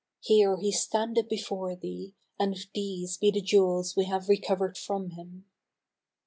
Here he standeth before thee, and these be the jewels we have recovered from him."